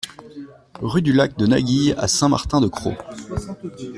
Rue du Lac de Naguille à Saint-Martin-de-Crau